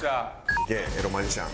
いけエロマジシャン。